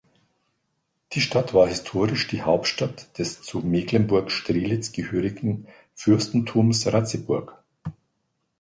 Die Stadt war historisch die Hauptstadt des zu Mecklenburg-Strelitz gehörigen Fürstentums Ratzeburg.